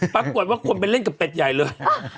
ปรากฏว่าคนไปเล่นกับเป็ดใหญ่เลย